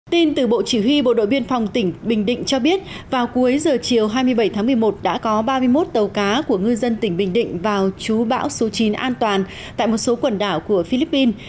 tin từ bộ chỉ huy bộ đội biên phòng tỉnh bình định cho biết vào cuối giờ chiều hai mươi bảy tháng một mươi một đã có ba mươi một tàu cá của ngư dân tỉnh bình định vào chú bão số chín an toàn tại một số quần đảo của philippines